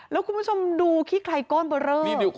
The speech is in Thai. แล้วคุณผู้ชมดูขี้ใครก้อนเบอร์เรอ